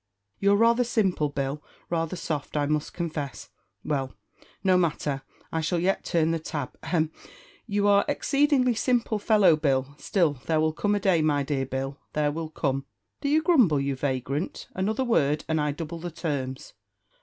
You're rather simple, Bill; rather soft, I must confess. Well, no matter. I shall yet turn the tab a hem! You are an exceedingly simple fellow, Bill; still there will come a day, my dear Bill there will come " "Do you grumble, you vagrant? Another word, and I double the terms."